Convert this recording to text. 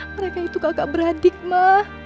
mereka itu kakak beradik mah